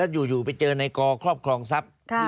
อยู่ไปเจอในกอครอบครองทรัพย์